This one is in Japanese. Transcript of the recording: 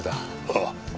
ああ。